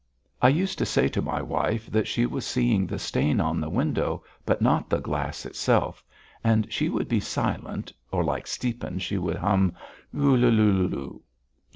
I used to say to my wife that she was seeing the stain on the window, but not the glass itself; and she would be silent or, like Stiepan, she would hum, "U lu lu lu...."